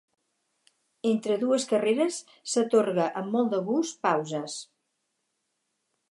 Entre dues carreres, s'atorga amb molt de gust pauses.